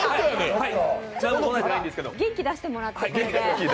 元気出してもらってこれで。